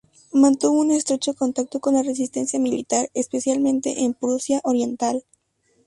Mantuvo un estrecho contacto con la resistencia militar, especialmente en Prusia Oriental.